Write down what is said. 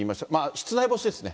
室内干しですね。